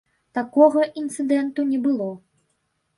Такога інцыдэнту не было!